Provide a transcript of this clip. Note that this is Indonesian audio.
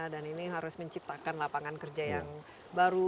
dan ini harus menciptakan lapangan kerja yang baru